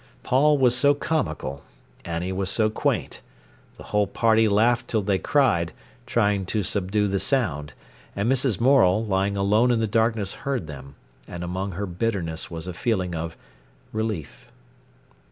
Paul was so comical, Annie was so quaint. The whole party laughed till they cried, trying to subdue the sound. And Mrs. Morel, lying alone in the darkness heard them, and among her bitterness was a feeling of relief.